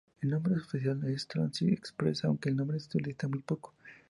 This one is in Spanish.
El nombre oficial es Transit Express, aunque el nombre se utiliza muy poco.